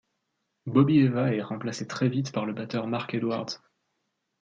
Bobby Eva est remplacé très vite par le batteur Mark Edwards.